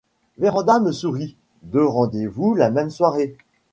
Vérand’a me sourit :— Deux rendez-vous la même soirée ?